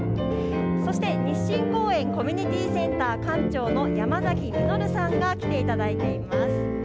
そして日進公園コミュニティセンター館長の山崎実さんに来ていただいています。